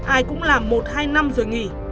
ai cũng làm một hai năm rồi nghỉ